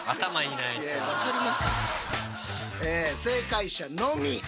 正解者のみ。